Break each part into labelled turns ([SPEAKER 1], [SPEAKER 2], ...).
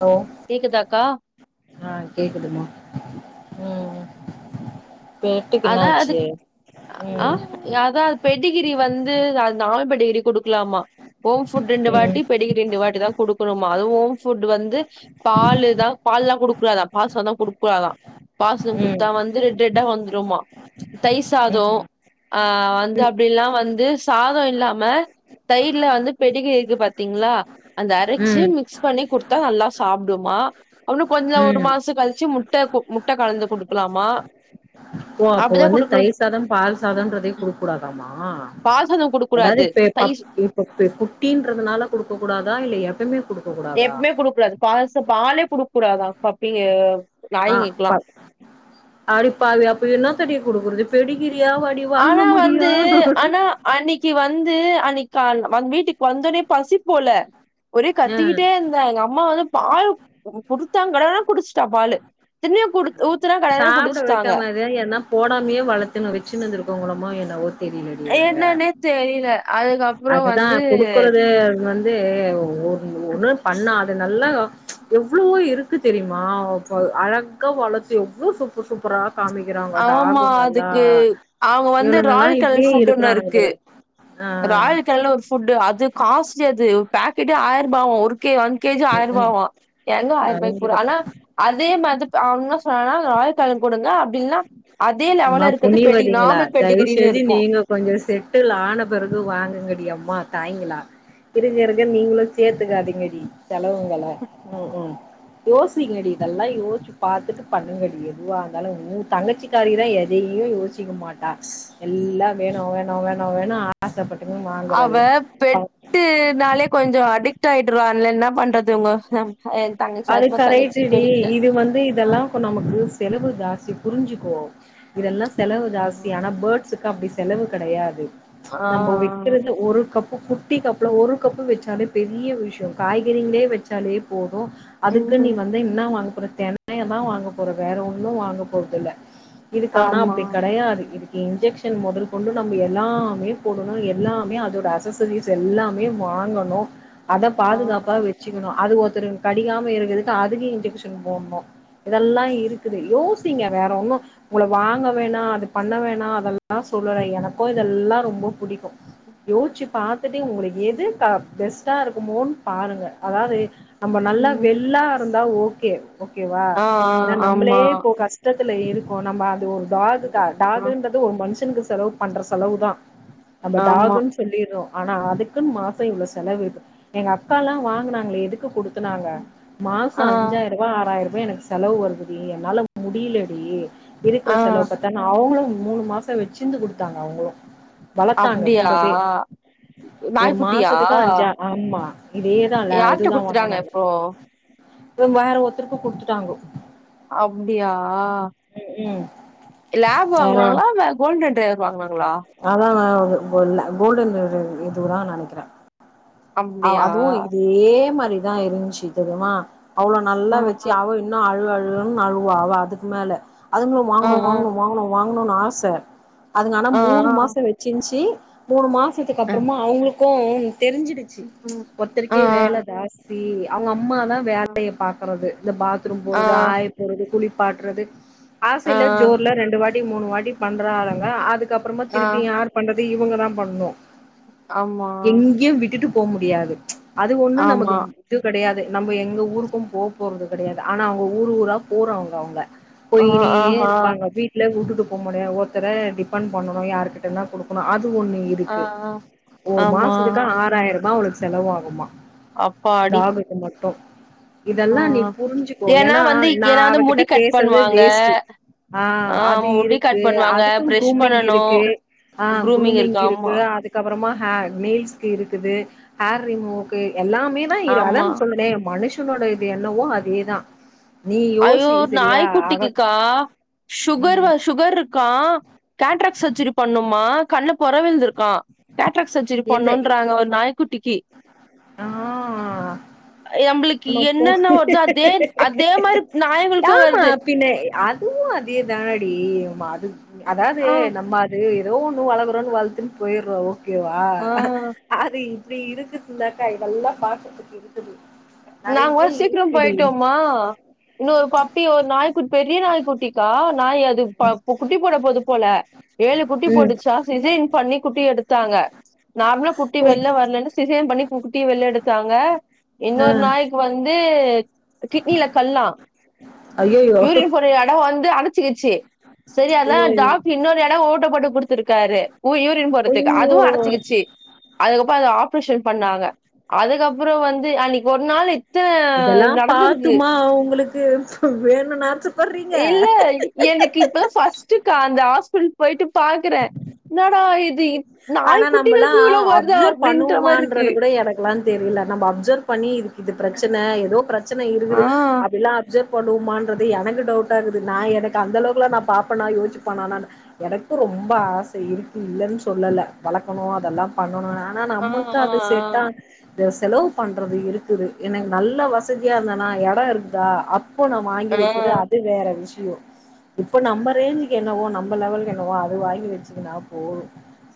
[SPEAKER 1] Low
[SPEAKER 2] கேக்குதாக்கா
[SPEAKER 1] ஆ கேக்குதுமா ம் பேட்டுக்கு என்னாச்சு ம்
[SPEAKER 2] யதாவ்து பெடிகிரி வந்து அது நான் பெடிகிரி குடுக் க்கலாமா ஹோம்ஃபுட் ரெண்டு வாட்டி
[SPEAKER 1] ம்
[SPEAKER 2] பெடிக்கிரி ரெண்டு வாட்டி தா குடுக்கணுமா அதுவும் ஓம் ஃபுட் வந்து பாலு தா பாலெல்லா குடுக்கூடாதா பாசோதா குடுக்குடாதா பாசனம்
[SPEAKER 1] ம் ம்
[SPEAKER 2] குத்தா வந்து ரெட் ரெட்டா வந்துருமா தை சாதோ
[SPEAKER 1] ம்
[SPEAKER 2] ஆ வந்து அப்டி யெல்லா வந்து சாதோ இல்லாம தயிர்ல வந்து பெடிக்கிரி இருக்கு பாத்தீங்களா அந்த அரச்சு
[SPEAKER 1] ம்
[SPEAKER 2] மிக்ஸ் பண்ணி குடுத்தா நல்லா சாப்டுமா அப்புனு கொஞ்சோ ஒரு
[SPEAKER 1] ம்
[SPEAKER 2] மாசோ கழிச்சு முட் முட்ட முட்ட கலந்து குடுக்கலாமா
[SPEAKER 1] ஓ அப்போ
[SPEAKER 2] அப்டிதா
[SPEAKER 1] வந்து
[SPEAKER 2] குடுக்கணு
[SPEAKER 1] தைர் சாதம் பால் சாதம்ன்றதே குடுக்க கூடாதாமா
[SPEAKER 2] பால் சாதம் குடுக்க
[SPEAKER 1] அதாவ்து
[SPEAKER 2] கூடாது
[SPEAKER 1] இப்பே பப்
[SPEAKER 2] தயிர்
[SPEAKER 1] இப்ப குட்டின்றதுனால குடுக்க கூடாதா இல்ல எப்பயுமே குடு
[SPEAKER 2] எப்பவுமே குடுக் கூடாது‌ பால்ச பாலே குடுக்கூடாதா பப்பீங்க
[SPEAKER 1] ஆ பாஸ் அடிப்பாவி அப்ப என்னாத்தடி குடுக்குறது பெடிகிரியாவா
[SPEAKER 2] ஆனா வந்து அனா அன்னீக்கு வந்து அன்னைக்கு கால் வந் வீட்டுக்கு வந்தோடனே பசி போல ஒரே
[SPEAKER 1] ஆ
[SPEAKER 2] கத்திக்கிட்டே இருந்தா எங்க அம்மா வந்து பால் குடுத்தாங்குறே குடிச்சட்டா பால்லு தின்னய குடுத் ஊத்துனா கட கடன்னு குடுஸ்ட்டாங்க
[SPEAKER 1] வேற யார்ன்னா போடாமயே வளத்துணு வெச்சுனு இருந்துகோவொங்களமோ என்னவோ தெரியலடி அங்க
[SPEAKER 2] என்னன்னே தெரியல அதுக்கப்புறோ
[SPEAKER 1] அதுதான்
[SPEAKER 2] வந்து
[SPEAKER 1] குடுக்குறது வந் தே ஒரு ஒன்னு பண்ணா நல்லா எவ்ளவோ இருக்கு தெரியுமா அழகா வளத்து எவ்ளோ சூப்பர் சூப்பரா காமிக்கிறாங்கொ
[SPEAKER 2] ஆமா
[SPEAKER 1] டாகுங்க எல்லா
[SPEAKER 2] அதுக்கு அவங்க வந்து
[SPEAKER 1] இவனுங்கல்லா
[SPEAKER 2] ராயல் கலர்
[SPEAKER 1] இப்டியே
[SPEAKER 2] ஃபுட் ஒன்னு
[SPEAKER 1] இருக்குறானுங்க
[SPEAKER 2] இருக்கு
[SPEAKER 1] பாரு ஆ
[SPEAKER 2] ராயல் கிணல்னு ஒரு ஃபுட்டு் அது காஸ்ட்லி அது ஒ பாக்கெட்டே ஆய்ருபாவா ஒரு கே ஒன் கேஜி
[SPEAKER 1] ம்
[SPEAKER 2] ஆயருபாவா எங்க
[SPEAKER 1] ம்
[SPEAKER 2] ஆயருபாய்க்கு போற ஆனா அதே மாதிப் அவுங் இன்ன சொன்னாங்னா [unintelligible] கொடுங்க அப்டில்னா அதே
[SPEAKER 1] அம்மா
[SPEAKER 2] லெவல இருக்கது பெட்டிகி நார்மல் பெட்டிகிரின்னு இருக்கு
[SPEAKER 1] கொஞ்சொ செட்டுல் ஆன பெறகு வாங்குங்கடி அம்மா தாய்ங்களா இருக்க இருக்க நீங்களு சேத்துக்காதிங்கடி செலவுங்கள ம் ம் யோசிங்கடி இதெல்லா யோச்சு பாத்துட்டு பண்ணுங்கடி எதுவா இர்ந்தாலு உ தங்கச்சி காரி தா எதையு யோசிக்க மாட்டா எல்லா வேணு வேணு வேணு வேணு ஆசபட்டுக்குன் வாங்குறது
[SPEAKER 2] ட்டுனாலே கொஞ்சொ அடிக்ட் ஆயிட்றால என்ன பண்றது உங்க என் தங்கச்சி
[SPEAKER 1] அது
[SPEAKER 2] அதுமா தங்கச்சி
[SPEAKER 1] கரைட்டுடி
[SPEAKER 2] பெடிகிரி
[SPEAKER 1] இது வந்து
[SPEAKER 2] ஆ.
[SPEAKER 1] இதெல்லா இப்ப நமக்கு யூஸ் செலவு ஜாஸ்தி புருஞ்சுக்கோ இதெல்லா செலவு ஜாஸ்தியான போர்ட் க்கு அப்புடி செலவு கெடையாது
[SPEAKER 2] ஆ.
[SPEAKER 1] நம்ம வெக்கிறதுல ஒரு கப் குட்டி கப்ல ஒரு கப்பு வச்சாலே பெரிய விஷ்யோ காய்கறிங்ளே வச்சாலே போது அதுக்க் நீ
[SPEAKER 2] ம்.
[SPEAKER 1] வந்து என்ன வாங்க போற தெனையதா வாங்க போற வேற ஒன்னு வாங்க போறதுல்ல இதுக் ஆனா
[SPEAKER 2] ஆமா.
[SPEAKER 1] அப்டி கெடையாது இதுக் இன்ஜெக்ஷன் மொதல் கொண்டு நம்ம எல்லாமே போடணு எல்லாமே அதோட அசசரிஸ் எல்லாமே வாங்கணு அத
[SPEAKER 2] ஆ.
[SPEAKER 1] பாதுகாப்பா வெச்சு கணு அது ஒருத்தருங் கடிக்காம இருக்கதுக்கு அதுக்கு இன்ஜெக்ஷன் போட்ணு இதெல்லா இருக்குது யோசிங்க வேற ஒன்னு உங்கள வாங்க வேணா அது பண்ண வேணா அதெல்லா சொல்லல எனக்கு இதெல்லா ரொம்ப புடிக்கு யோசிச்சு பாத்துட்டு உங்களுக்கு எது பெஸ்ட்டா இருக்குமோன்னு பாருங்க அதாது நம்ம நல்லா
[SPEAKER 2] ம்.
[SPEAKER 1] வெள்ளா இருந்தா ஓகே ஓகேவா
[SPEAKER 2] ஆ, ஆ.
[SPEAKER 1] ஏன்னா நம்மளே
[SPEAKER 2] ஆமா.
[SPEAKER 1] இப்ப கஸ் டத்துல இருக்கோ நம்ம அது ஒரு டாகு தா
[SPEAKER 2] கண்டிப்பா.
[SPEAKER 1] டாகுன்ற ஒரு மனுஷனுக்கு செலவு பண்ற செலவு தா நம்ம
[SPEAKER 2] ஆமா.
[SPEAKER 1] டாகுன் சொல்லிறோ ஆனா அதுக்குன்னு மாசொ இவ்ளோ செலவிடு எங்க அக்கால்லா வாங்குனாங்ளே எதுக்கு குடு துனாங்க மாசொ
[SPEAKER 2] ஆ
[SPEAKER 1] அஞ்சாய ருபா ஆறாயருபா எனக்கு செலவு வருதுடி என்னால முடியிலடி இருக்குற
[SPEAKER 2] ஆ
[SPEAKER 1] செலவு பத்தா ன்னா அவுங்களு மூனு மாசொ வச்சிர்ந்து குடுத்தாங்க அவுங்களு வளத்தாங்க
[SPEAKER 2] அப்டியா?
[SPEAKER 1] கூடவே ஒரு
[SPEAKER 2] நாய்க்குட்டியா?
[SPEAKER 1] மாசத்துக்கு அஞ்சா ஆமா இதே ல
[SPEAKER 2] யார்ட்ட
[SPEAKER 1] இதுதா
[SPEAKER 2] குடுத்துட்டாங்க இப்போ?
[SPEAKER 1] வாங்குனாங்க வேற ஒருத்தருக்கு குடுத்துட்டாங்கொ
[SPEAKER 2] அப்டியா
[SPEAKER 1] ம்.
[SPEAKER 2] லேப்
[SPEAKER 1] வேற
[SPEAKER 2] வாங்குவாங்ளா இல்ல கோல்டன் டிரைவர் வாங்குனாங்களா
[SPEAKER 1] அதா [unintelligible] கோல்டன் இது இதுதா நெனக்கிறே
[SPEAKER 2] அப்டியா?
[SPEAKER 1] அதுவு இதே மாரிதா இருந்ச்சு தெரிய்மா அவ்ளோ
[SPEAKER 2] ஆ
[SPEAKER 1] நல்லா வெச்சு அவ னு அழு அழுனு அழுவா அவ அதுக்கு மேல அதுங்ளு
[SPEAKER 2] ஆ
[SPEAKER 1] வாங்குனு வாங்குனு வாங்குனு வாங்ணுனு ஆச அதுங்க ஆனா
[SPEAKER 2] ஆ
[SPEAKER 1] மூனு
[SPEAKER 2] ஆ
[SPEAKER 1] மாசொ வச்சிர்ந்ச்சி மூனு மா சத்துக்கு
[SPEAKER 2] அ.
[SPEAKER 1] அப்பறமா அவுங்ளுக்கு தெரிஞ்சிடுச்சு
[SPEAKER 2] ம். ஆ
[SPEAKER 1] ஒர்த்தர்க்கே வேல ஜாஸ்தி அவுங்க அம்மா தா வேலைய பாக்குறது இந்த பாத்ரூம்
[SPEAKER 2] ஆ ஆ
[SPEAKER 1] போறது ஆயி போறது குளிப்பாட்றது
[SPEAKER 2] ஆ
[SPEAKER 1] ஆசைல ஜோர்ல ரெண்டு வாட்டி மூனு வாட்டி பண்ற ஆளுங்க அதுக் கப்றமா
[SPEAKER 2] ஆ
[SPEAKER 1] திருப்பி யார் பண்றது இவுங்க தா பண்ணனு
[SPEAKER 2] ஆமா
[SPEAKER 1] எங்கயு விட்டு போ முடியாது அது ஒண்ணு
[SPEAKER 2] ஆமா.
[SPEAKER 1] நமக்கு இது கடையாது நம்ம எங்க ஊருக்கோ போ போறது கெடையாது ஆனா அவுங்க ஊரு ஊரா போறவங்க அவுங்க
[SPEAKER 2] ஆ
[SPEAKER 1] போயினே
[SPEAKER 2] ஆஹா
[SPEAKER 1] இருப்பாங்க வீட்ல வுட்டுட்டு போ முடியாது ஒருத்தர டிபெண்ட் பண்ணணோ யார்கிட்டதா குடுக் அது ஒண்ணு
[SPEAKER 2] ஆ
[SPEAKER 1] இருக்கு
[SPEAKER 2] ஆ
[SPEAKER 1] ஒரு
[SPEAKER 2] ஆமா
[SPEAKER 1] மாசத்துக்கு ஆறாயிரபா அவளுக்கு செலவாகுமா
[SPEAKER 2] அப்பாடி
[SPEAKER 1] இங்க மட்டு
[SPEAKER 2] ஆ
[SPEAKER 1] இதெல்லா நீ புரிஞ்சுக்கோ ஏன்னா
[SPEAKER 2] வந்து
[SPEAKER 1] நா
[SPEAKER 2] ஏன்னா வந்து
[SPEAKER 1] அவகிட்ட
[SPEAKER 2] முடி கட்
[SPEAKER 1] பேசுறதே
[SPEAKER 2] பண்ணுவாங்க.
[SPEAKER 1] வேஸ்ட்டு ஆ அது
[SPEAKER 2] முடி
[SPEAKER 1] இருக்கு
[SPEAKER 2] கட் பண்ணுவாங்க,
[SPEAKER 1] அதுக்கு
[SPEAKER 2] பிரஷ்
[SPEAKER 1] குரூமிங்
[SPEAKER 2] பண்ணணு
[SPEAKER 1] இருக்கு ஆ குரூமிங் இருக்கு அதுக் கப்பறமா ஹே நெயில்ஸ்கு இருக்குது ஹேர் ரிமூவுக்கு எல்லாமே அதா இரு
[SPEAKER 2] ஆமா
[SPEAKER 1] அதான் சொன்னனே மனுஷனோட இது என்னவோ அதேதா நீ
[SPEAKER 2] ஐயோ
[SPEAKER 1] யோசி சரியா அவ
[SPEAKER 2] நாய்க்குட்டிக்குக்கா சுகர்
[SPEAKER 1] ம்
[SPEAKER 2] சுகர் இருக்கா கேட்ராக் சர்ஜரி பண்ணுமா கண்ணு பொறவிழுந்துருக்கா கேட்ராக் சர்ஜரி
[SPEAKER 1] எந்த
[SPEAKER 2] பண்ணோன்றாங்க ஒரு நாய்க்குட்டிக்கு
[SPEAKER 1] ஆ
[SPEAKER 2] நம்புளுக்கு
[SPEAKER 1] நம்ம
[SPEAKER 2] என்னன்னா வருதோ அதே அதே மாரி நாய்களுக்கு
[SPEAKER 1] பாமா
[SPEAKER 2] வருது
[SPEAKER 1] பின்ன அதுவு அதே தானடி அது அதாவது
[SPEAKER 2] ஆ
[SPEAKER 1] நம்ம அது ஏதோ ஒண்ணு வளக்குறோன்னு வளத்துன்னு போய்ட்றோ ஓகேவா
[SPEAKER 2] ஆ
[SPEAKER 1] அது இப்டி இருக்குதுனன்னாக்கா இதெல்லா பாத்துக்குட்ருக்குது
[SPEAKER 2] நாங்க சீக்ரோ போய்ட்டோமா இன்னோரு பப்பி ஒரு நாய்க்குட்டி பெரிய நாய்குட்டிக்கா நாய் அது குட்டி போட போது போல ஏழு குட்டி
[SPEAKER 1] ம்
[SPEAKER 2] போட்டுச்சா சிசேரின் பண்ணி குட்டி எடுத்தாங்க நார்மளா குட்டி வெள்ல வரலேன்னு சிசே யன் பண்ணி டூ குட்டிய வெளிய எடுத்தாங்க
[SPEAKER 1] ஆ
[SPEAKER 2] இன்னோரு நாய்க்கு வந்து கிட்னில கல்லா
[SPEAKER 1] ஐயையோ
[SPEAKER 2] யூரின் போற அட எடோ வந்து அடச்சுக்கிச்சி செரி அதா
[SPEAKER 1] ஐயையோ
[SPEAKER 2] டாக்ட்ரு இன்னோரு எடோ ஓட்டப்போட்டு குடுத்துருக்காரு உ யூரின் போறதுக்கு
[SPEAKER 1] ஐயையோ
[SPEAKER 2] அதுவு அடச்சுக்கிச்சி அதுக்கப்புறோ அத ஆப்ரேஷன் பண்ணாங்க அதுக்கப்புறோ வந்து அன்னிக்கி ஒரு நாளு
[SPEAKER 1] இதெல்லா பாத்துமா அவுங்குளுக்கு வேணுனாச்சு
[SPEAKER 2] இல்ல எனக்கு இப்பதா ஃபர்ஸ்ட்டுக்கா அந்த ஹாஸ்பிடல் போயிட்டு பாக்குறே இன்னாடா இது
[SPEAKER 1] ஆனா
[SPEAKER 2] நாய்
[SPEAKER 1] நம்மல்லா
[SPEAKER 2] குட்டிகுளுக்கு இவ்வளோ வருதா அப்டீன்ற மாரி இருக்கு
[SPEAKER 1] லனு தெரில நம்ம அப்சர்வ் பண்ணி இதுக்கு இது பிரச்சன ஏதோ பிரச்சன இருக்குது
[SPEAKER 2] ஆ
[SPEAKER 1] அப்டீலா அப்சர்வ் பண்ணுவோமான்றது எனக்கு டவுட்டாகுது நா எனக்கு அந்தளவுக்குலா நா பாப்பனா யோசிச்பண்ணா நா எனக்கு ரொம்ப ஆச இருக்கு இல்லன்னு சொல்லல வளக்கணோ அதெல்லா பண்ணணோ ஆ னா நமக்கு அது செட்டா து செலவு பண்றது இருக்குது எனக்கு நல்ல வசதியா இருந்தன்னா எடோ இருக்குதா இப்போ நா
[SPEAKER 2] ஆ ஆ
[SPEAKER 1] வாங்கி வெக்கற அது வேற விஷ்யோ இப்ப நம்ப ரேஞ்சுக்கு என்னவோ நம்ப லெவல்க்கு என்னவோ அத வாங்கி வெச்சுகுன்னா போது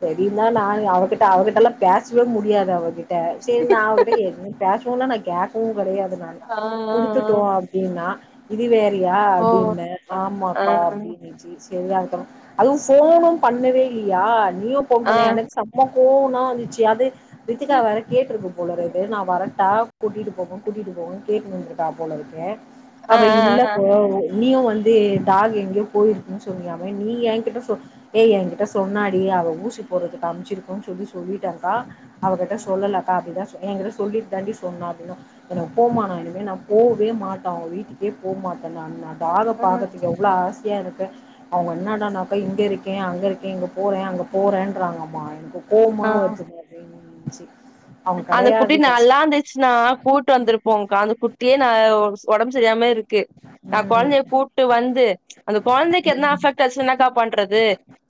[SPEAKER 1] செரிந்தா நா அவகிட்ட அவகிட்டெலா பேசவே முடியாது அவகி ட்ட செரி நா அவ கிட்ட என்ன பேசுவோல நா கேக்கவு கெடையாது நா
[SPEAKER 2] ஆ ஆ
[SPEAKER 1] குடுத்துட்டோ அப்டீன்னா இது வேறயா
[SPEAKER 2] ஓ
[SPEAKER 1] அப்டீன்ன
[SPEAKER 2] அ ஆ
[SPEAKER 1] ஆமாக்கா அப்டீனிச்சு செரி அதுக்கப்றோ அதுவு ஃபோனோ பண்ணவே இல்லீயா நீயு ஃபோன்
[SPEAKER 2] ஆ
[SPEAKER 1] பண்ணல எனக்கு சம்ம கோவனா வந்துச்சு அது ரித்திகா வேர கேட்ருக்கு போலறக்குது நா வர பா கூட்டிட்டு போங்க கூட்டிட்டு போங்கனு கேட்னுந்ருக்கா போல இருக்கு
[SPEAKER 2] ஆ
[SPEAKER 1] அவ இல்ல
[SPEAKER 2] ஆ
[SPEAKER 1] போ நீயு வந்து டாக் எங்கேயோ போயிருக்குன்னு சொன்னியாமே நீ ஏ கிட்ட சொ ஏ எ கிட்ட சொன்னாடி அவ ஊசி போறதுக்கு அம்ச்சிருக்கோன்னு சொல்லி சொல்லிட்டேக்கா அவகிட்ட சொல்லலக்கா அப்டிதா எ கிட்ட சொல்லிட்டு தாண்டி சொன்னா அப்டீனா எனக்கு போமா நா இனிமே நா போவே மாட்டே அவ வீட்டுக்கே போ மாட்டே நா நா டாக் ஆ பாகறக்கு எவ்ள ஆசையா இருக்கு அவங்க என்னடானா அக்கா இங்க இருக்கே அங்க இருக்கே இங்க போறே அங்க போறேன்றாங்கம்மா எனக்கு கோமா
[SPEAKER 2] ஆ
[SPEAKER 1] வருது ரென்ஜூ
[SPEAKER 2] அந்த குட்டி நல்லா இந்துச்சுன்னா கூட்டு வந்திருப்போங்க்கா அந்த குட்டியே ந உடம்பு சரியாம இருக்கு நா
[SPEAKER 1] ம்
[SPEAKER 2] குழந்தைய கூட்டு வந்து ம்ச் அந்த குழந்தைக்கு எதன
[SPEAKER 1] ம்
[SPEAKER 2] அஃபெக்ட் ஆச்சுன்னா க்கா பண்றது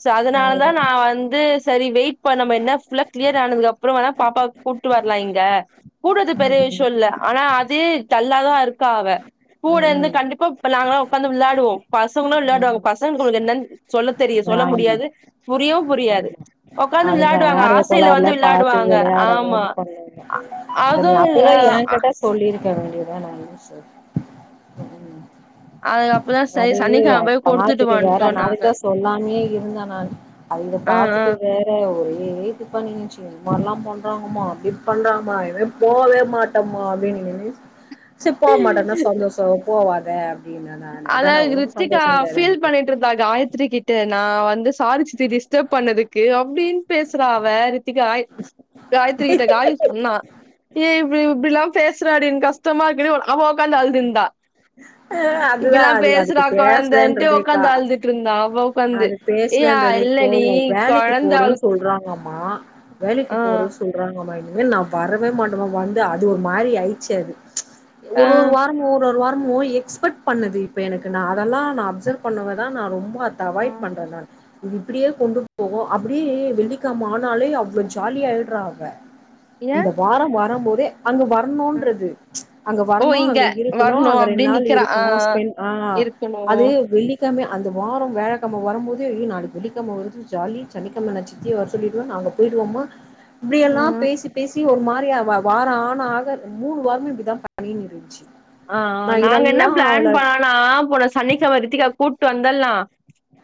[SPEAKER 2] ச அதனால தா நா
[SPEAKER 1] ம்
[SPEAKER 2] வந்து செரி வெயிட் இப்ப நம்ம என்ன ஃபுல்லா க்ளியர் ஆனது அப்புறோ வென பாப்பா கூட்டு வரலா இங்க கூடுறது பெரிய
[SPEAKER 1] ம்
[SPEAKER 2] விஷய இல்ல ஆனா அது டல்லாதா இருக்கா அவ கூட இந்து
[SPEAKER 1] ம்
[SPEAKER 2] கண்டிப்பா இப்ப நாங்களா உக்காந்து விளாடுவோ பசங்களு விளையாடுவாங்க
[SPEAKER 1] ம்
[SPEAKER 2] பசங்களுக்கு என்னனு சொல்ல தெரியு சொல்ல
[SPEAKER 1] ஆமா
[SPEAKER 2] முடியாது புரியவு புரியாது
[SPEAKER 1] ஆமா
[SPEAKER 2] உக்கார்ந்து
[SPEAKER 1] அதுங்க
[SPEAKER 2] விளையாடுவாங்க
[SPEAKER 1] ஆர்வ
[SPEAKER 2] ஆசைய்ல
[SPEAKER 1] கோளாறுல
[SPEAKER 2] வந்து
[SPEAKER 1] பாத்து
[SPEAKER 2] விளையாடுவாங்க ஆ
[SPEAKER 1] விளையாடவு
[SPEAKER 2] ஆமா
[SPEAKER 1] இது பண்ணுங்க
[SPEAKER 2] அதுவு
[SPEAKER 1] சொல்லியிருக்க வேண்டியதான லூசு ம்
[SPEAKER 2] அது அப்பதா சரி
[SPEAKER 1] அது
[SPEAKER 2] சனிக்கிழம போய் குடுத்துட்டு
[SPEAKER 1] மாத்துட்டு வேற
[SPEAKER 2] வந்ட்டோ
[SPEAKER 1] நா
[SPEAKER 2] நாங்க
[SPEAKER 1] வித்யாஸ் எல்லாமே இருந்தே நான் அத இத
[SPEAKER 2] ஆ ஆ
[SPEAKER 1] பாத்துட்டு வேற ஒரே இது பண்ணினுச்சு என்னல்லா பண்றாங்கமா அப்டி பண்றாமா இனிமே போவே மாட்டோமா அப்டின்னு நினு சுப் போ மாட்டேன்னா சந்தோஷ போவாத அப்டின்ன நானு
[SPEAKER 2] அத
[SPEAKER 1] அதான உனக்கு
[SPEAKER 2] ரித்திகா ஃபீல்
[SPEAKER 1] சந்தோஷந்தான
[SPEAKER 2] பண்ணிட்டு இருந்தா காயத்தரி கி ட்டு நா வந்து சாரி சித்தி டிஸ்டர்ப் பண்ணதுக்கு அப்டின் பேசுறா அவ ரித்திகா காயத்ரி கிட்ட காயு சொன்னா ஏ இப்டி இப்டியெல்லா பேசுறாடி எனக்கு கஷ்டமா இருக் அவ ஒக்காந்து அழுது இருந்தா
[SPEAKER 1] அ அதுதா அது அதுக்கு பேசலனு சொல்லிருக்கா
[SPEAKER 2] உக்காந்து அழுதுட்டு இருந்தா அவ உக்காந்து
[SPEAKER 1] அது
[SPEAKER 2] ஏயா
[SPEAKER 1] பேசலன்றதே
[SPEAKER 2] இல்லடி
[SPEAKER 1] கோவ வேலைக்கு
[SPEAKER 2] கொழந்த அழு
[SPEAKER 1] போறோன்னு சொல்றாங்கம்மா வேலைக்கு
[SPEAKER 2] ஆ
[SPEAKER 1] போறோ சொல்றாங்கம்மா இனிமேல் நா வரவே மாட்டோமா வந்து அது ஒரு மாரி ஆயிச்சு அது
[SPEAKER 2] ஆ
[SPEAKER 1] ஒரு ஒரு வாரமு ஒரு ஒரு வாரமு எக்ஸ்பர்ட் பண்ணுது இப்ப எனக்கு நா அதெல்லா நான் அப்சர்வ் பண்ணுவதா நா ரொம்ப அத அவாய்ட் பண்றே நா இது இப்டியே கொண்டு போவு அப்டியே வெள்ளிக்கம ஆனாலே அவ்ள ஜாலியா ஆயிட்றா அவ
[SPEAKER 2] ஏ
[SPEAKER 1] இந்த வார வரும் போதே அங்க வரணுன்றது ம்ச் அங்க
[SPEAKER 2] ஓ
[SPEAKER 1] வரணு
[SPEAKER 2] இங்க
[SPEAKER 1] அங்க இருக்கணு
[SPEAKER 2] வரணு
[SPEAKER 1] அங்க ரெண்டு
[SPEAKER 2] அப்டின்னு
[SPEAKER 1] நாள்
[SPEAKER 2] நிக்கிறா ஆ
[SPEAKER 1] இருக்கணு ஸ்பெண்ட் ஆ
[SPEAKER 2] இருக்கணு
[SPEAKER 1] அது வெள்ளி கிழம அந்த வார வெளக்கிழம வரும்போதே ஏய் நாளிக்கு வெள்ளிகிழம வருது ஜாலி சனிக்கிழம நா சித்திய வர சொல்லிடுவே நாங்க பேய்டுவோம்மா இப்டியெல்லா பேசி பேசி ஒரு மாரி அவ வார ஆன ஆக மூணு வாரமே இப்டிதா பணி நிறுஞ்சி
[SPEAKER 2] ஆஅ நாங்க என்ன பிளான் பண் ணா போன சனிக்கிழம ரித்திகா கூப்பிட்டு வந்தடலா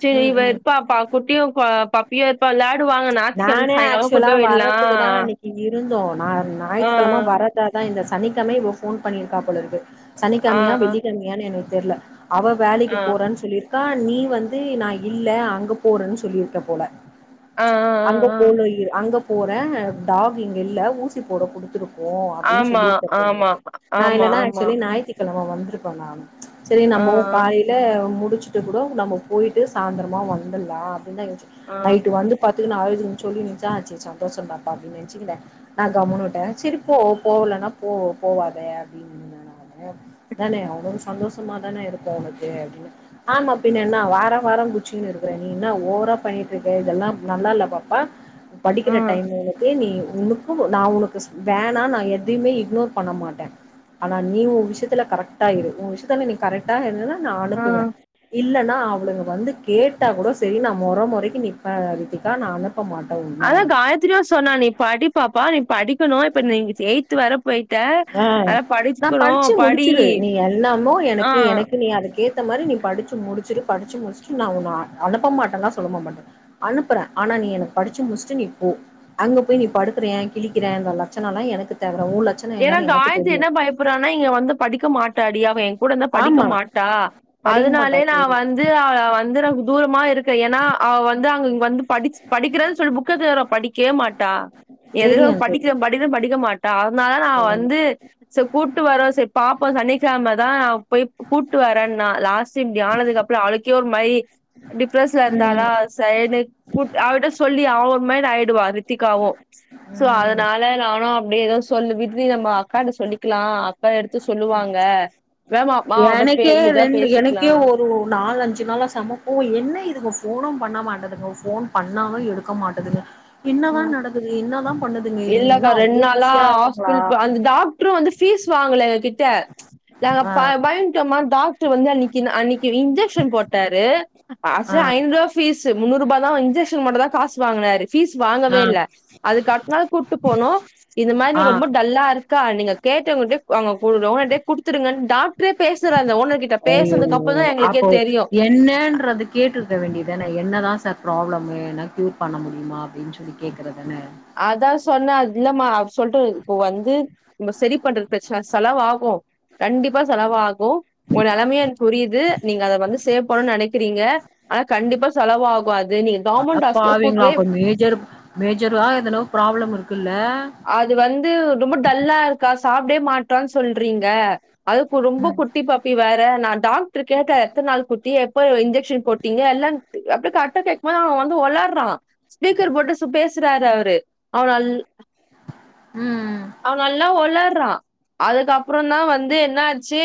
[SPEAKER 2] செரி
[SPEAKER 1] ம் ம்
[SPEAKER 2] இவயிருப்பா பா குட்டியு பா பா பியப்புல விளாடுவாங்க நாத்து கிழம
[SPEAKER 1] நானே
[SPEAKER 2] சாய்ங்காலோ
[SPEAKER 1] ஆக்சுவலா
[SPEAKER 2] கூப்பிட்டு போய் விடலா
[SPEAKER 1] வர்றதுக்கு தா அன்னைக்கு
[SPEAKER 2] ஆ
[SPEAKER 1] டா தா இந்த சனிக்கம்ம இ போன் பண்ணிருக்கா போலருக்கு சனி
[SPEAKER 2] ஆ
[SPEAKER 1] கழமயா வெள்ளிக் கழமயான்னு எனக்கு தெரியல அவ வேலைக்கு
[SPEAKER 2] ஆ
[SPEAKER 1] போறன்னு சொல்லியிருக்கா நீ வந்து நா இல்ல அங்க போறேன்னு சொல்லியிருக்க போல
[SPEAKER 2] ஆ ஆ
[SPEAKER 1] அங்க
[SPEAKER 2] ஆ ஆ
[SPEAKER 1] போலயிரு அங்க போறே டாக் இங்கல்ல ஊசி போட குடுத்துருக் கோ அப்டின்னு
[SPEAKER 2] ஆமா
[SPEAKER 1] சொல்லிருக்க
[SPEAKER 2] ஆமா
[SPEAKER 1] போலருக்கு நா
[SPEAKER 2] ஆமா
[SPEAKER 1] இல்லன்னா
[SPEAKER 2] ஆமா
[SPEAKER 1] ஆக்சுலி ஞாயித்து கிழம வந்திருக்கோ நா செரி
[SPEAKER 2] ஆ
[SPEAKER 1] நம்மோ
[SPEAKER 2] ஆ
[SPEAKER 1] காலை யில முடிச்சுட்டு கூடோ நம்ம போயிட்டு சாயந்திரமா வந்துலா அப்படின்னு தா யோசிச்சு
[SPEAKER 2] ஆ
[SPEAKER 1] நைட் வந்து பாத்து அழுதுன் சொல்லின்ச்சா செரி சந்தோஷோ தா பா அப்டினே நச்சுக்கிறே நா கம்முனு வுட்டே செரி போ போகலன்னா போ போவாதே அப்படின்னு ந தான அவ்ளோ சந்தோஷமா தானே இருக்கூ அவனுக்கு அப்படின்னு ஆமா பின்ன என்ன வாரோ வாரோ குச்சன்னனு இருக்கறே நீன்னா ஓவரா பன்னி இருக்கு இதெல்லா நல்லா இல்ல பாப்பா
[SPEAKER 2] ஆ
[SPEAKER 1] படிக்கிற டைம் நீ உனக்கு நீ [unintelligible] நா உனக்கு வேணா நா எதையுமே இக்னோர் பண்ண மாட்டே ஆனா நீ உ விஷயத்துல கரெக்டா இரு உ விஷத்து நீங்க கரெக்டா இருந்தனா நா
[SPEAKER 2] ஆ
[SPEAKER 1] அனுப்புவே இல்லன்னா அவளுங்க வந்து கேட்டா கூட சரி நா மொற மொறைக்கு க்கு நிற்ப ரித்திகா நானு ப்ப மாட்ட
[SPEAKER 2] அதா காயத்ரினா சொன்னானே நீ படிப்பாப்பா நீ படிக்கணு இப்ப நீ எய்து வர போயிட்ட
[SPEAKER 1] ஆ
[SPEAKER 2] அதா
[SPEAKER 1] நா
[SPEAKER 2] படிச்சுக்கணு
[SPEAKER 1] படிச்சு
[SPEAKER 2] படி
[SPEAKER 1] முடிச்சுடு நீ எல்லாமோ எனக்கு
[SPEAKER 2] ஆ
[SPEAKER 1] எனக்கு நீ அதுக்கே இந்த மாரி நீ படிச்ச முடிச்சுடு படிச்சு முடிச்சுட்டு நா உன அனுப்ப மாட்டேலா சொல்ல மாட்டே அனுப்புறே ஆனா நீ எனக்கு படிச்சு முடிச்சுட்டு நீ போ அங்க போய் நீ படுக்ரியா கிழிக்கிறன்ற லட்சணம்ல்லா எனக்கு தவிர ஒரு லட்ச
[SPEAKER 2] ஏன்னா காயத்து என்ன பயப்படுறானா இங்க வந்து படிக்க மாட்டாடி அவ எ கூட இருந்தா படிக்க
[SPEAKER 1] ஆமா
[SPEAKER 2] மாட்டா
[SPEAKER 1] படிக்க மாட்டா
[SPEAKER 2] அதனாலே நா
[SPEAKER 1] தெரியு
[SPEAKER 2] வந்து அவ வந்து நக்கு தூரமா இருக்கு ஏன்னா அவ வந்து அங்க வந்து படிச் படிக்கிறேன்னு சொல்லி புக்க தேற படிக்க மாட்டா எது
[SPEAKER 1] தெரியு தெரியு
[SPEAKER 2] படிக்க படிக்கிற படிக்க மாட்டா ம்மலா நா வந்து ஷோ கூட்டு வரோ சரி பாப்போ சனிக்கிழம தா நா போய் கூட்டு வரே நா லாஸ்ட்டு இப்டி ஆனது அப்பறோ அழ கயோர் மை டிப்ரெஸ்ல
[SPEAKER 1] ம்
[SPEAKER 2] இருந்தாலாஸ் ஃப்ரைடே கூட் அவட்ட சொல்லி அவ மைண்ட் ஆயிடுவா ரித்திகாவு சோ
[SPEAKER 1] ம்
[SPEAKER 2] அதனால நானு அப்படியேதா சொல்லு விருதி நம்ம அக்காட்ட சொல்லிக்கலா அக்கா எடுத்து சொல்லுவாங்க வேமாமா அவட பே
[SPEAKER 1] எனக்கே
[SPEAKER 2] இதா
[SPEAKER 1] ரெண்டு எனக்கே
[SPEAKER 2] பேசிக்கலாம்
[SPEAKER 1] ஒரு நாலு அஞ்சு நாளா சமப்போ என்ன இதுங்க போனு பண்ண மாட்டதுங்க போன் பண்ணாவு எடுக்க மாட்டதுங்க இன்னாதா
[SPEAKER 2] ம்
[SPEAKER 1] நடக்குது என்னாதா பண்ணுதுங்க இதுங்க
[SPEAKER 2] இல்லக்கா
[SPEAKER 1] இன்ன அவளோ பிஸியா இருக்குங்களா
[SPEAKER 2] அப்பறோ வந்து பீஸ் வாங்கல எங்க கிட்ட நாங்க
[SPEAKER 1] ஆ
[SPEAKER 2] ப பய டோமா டாக்டர் வந்து அன்னைக்கு அன்னைக்கு இன்ஜெக்க்ஷன் போட்டாரு ஆச
[SPEAKER 1] ஆ
[SPEAKER 2] ஐநூபா பீஸ்சு முன்னூரூபா தா இன்க்ஷக்சன் மட்டுந்தா காசு வாங்குனாரு பபீஸ் வாங்கவே
[SPEAKER 1] ஆ
[SPEAKER 2] இல்ல அதுக்கடுத்னாலே கூப்ட்டு போனோ இத மாரி
[SPEAKER 1] ஆ
[SPEAKER 2] ரொம்ப டல்லா இருக் க்கா நீங்க கேட்டவங்கட்ட அவங்க [unintelligible] அப்டடே குடுத்துருங்க டாக்டரே பேசுற ஓன்ன
[SPEAKER 1] அய்யோ அப்போ என்னன்றதுக் கேட்ருக்க வேண்டியதான என்ன தா சார் ப்ராப்ளமு ஏனா க்யூர் பண்ண முடியுமா அப்டின்னு சொல்லி கேக்குறதான
[SPEAKER 2] அதா சொன்னே அது இல்லமா அவ சொல்ட்டு இப்போ வந்து நம்ம சரி பண்றது பிரச்சன செலவாகு கண்டிப்பா செலவாகு ஒரு நெலைமைய எனக் புரியுது நீங்க அத வந்து சேவ் பண்ணுனு நெனைக்கிறீங்க ஆனா கண்டிப்பா செலவாகு அது நீ
[SPEAKER 1] அதா பாவீங்களா அப்ப மேஜர் மேஜர்வா எதுன ப்ராப்ள இருக்குல்ல
[SPEAKER 2] அது வந்து ரொம்ப டல்லா இருக்கா சாப்டே மாட்றான்னு சொல்றீங்க அது கு ரொம்ப
[SPEAKER 1] ம்
[SPEAKER 2] குட்டி பாப்பி வேற நா டாக்டரு கேட்டே எத்தன்னாள் குட்டி எப்ப இன்ஜெக்ச ஷன் போட்டீங்க எல்லா அப்டே கர்ட்டா கேக்கும் போது அவ வந்து ஒளர்றா ஸ்பீக்கர் போட்டு சு பேசுறாரு அவுரு அவு நல்
[SPEAKER 1] ம்
[SPEAKER 2] அவ நல்லா ஒளர்றா அதுக்கப்ரோந்தா வந்து என்னாச்சு